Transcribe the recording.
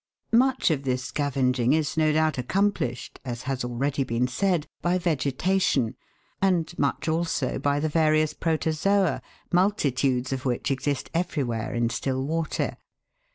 Much of this scavenging is no doubt accomplished, as has already been said, by vegetation, and much also by the various Protozoa, multitudes of which exist everywhere in still water.